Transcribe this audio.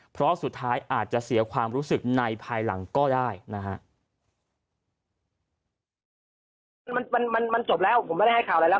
เพราะสุดท้ายอาจจะเสียความรู้สึกในภายหลังก็ได้นะฮะ